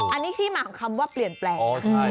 อันนี้ที่มาของคำว่าเปลี่ยนแปลงนะคะ